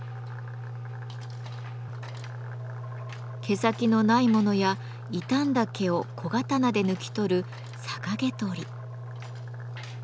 毛先のないものや傷んだ毛を小刀で抜き取る「逆毛取り」。